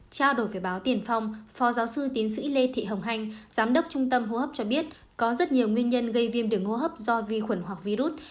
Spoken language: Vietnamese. trao đổi với báo tiền phong phó giáo sư tiến sĩ lê thị hồng hanh giám đốc trung tâm hô hấp cho biết có rất nhiều nguyên nhân gây viêm đường hô hấp do vi khuẩn hoặc virus